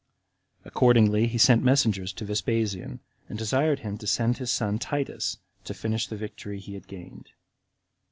Accordingly, he sent messengers to Vespasian, and desired him to send his son Titus to finish the victory he had gained.